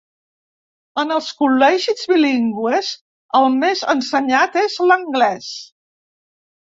En els col·legis bilingües el més ensenyat és l'anglès.